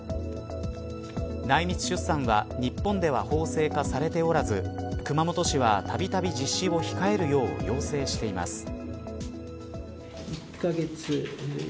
内密出産は日本では法制化されておらず熊本市はたびたび実施を控えるよう要請しています。